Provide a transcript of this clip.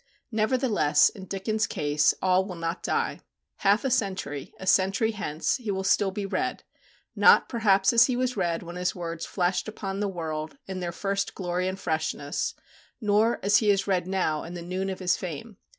Nevertheless, in Dickens' case, all will not die. Half a century, a century hence, he will still be read; not perhaps as he was read when his words flashed upon the world in their first glory and freshness, nor as he is read now in the noon of his fame.